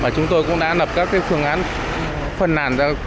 chúng tôi cũng đã lập các phương án phân nàn